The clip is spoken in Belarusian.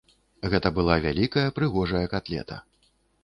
Гэта была вялікая прыгожая катлета.